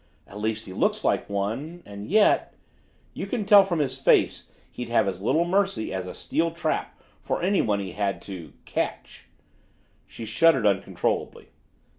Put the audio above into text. "At least he looks like one and yet you can tell from his face he'd have as little mercy as a steel trap for anyone he had to catch " She shuddered uncontrollably.